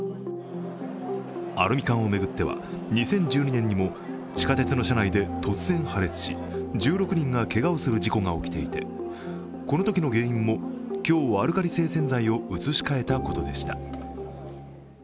アルミ缶を巡っては、２０１２年にも地下鉄の車内で突然破裂し、１６人がけがをする事故が起きていて、このときの原因も強アルカリ性洗剤を移しかえたことでした。